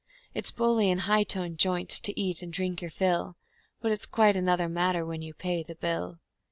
It's bully in a high toned joint to eat and drink your fill, But it's quite another matter when you Pay the bill.